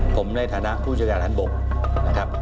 ผมในฐานะผู้จัดการฐานบกนะครับ